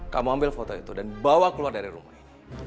kamu ambil foto itu dan bawa keluar dari rumah ini